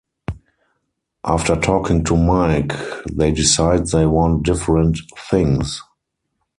After talking to Mike, they decide they want different things.